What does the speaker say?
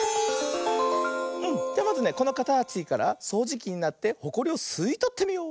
うんじゃまずねこのかたちからそうじきになってホコリをすいとってみよう。